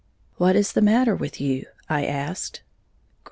"] "What is the matter with you?" I asked.